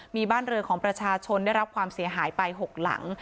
มีบ้านเรือของประชาชนได้รับความเสียหายไป๖หลัง